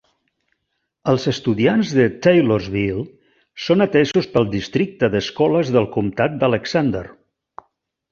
Els estudiants de Taylorsville són atesos pel districte d'escoles del comtat d'Alexander.